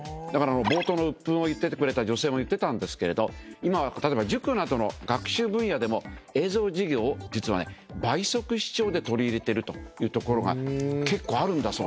冒頭のうっぷんを言ってくれた女性も言ってたんですけれど今例えば塾などの学習分野でも映像授業を実はね倍速視聴で取り入れてるという所が結構あるんだそうですよ。